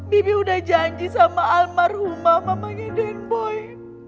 bibi udah janji sama almarhumah mamanya den boy